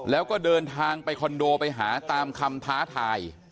แล้วก็เดินทางไปคอนโดไปหาตามคำท้าทาย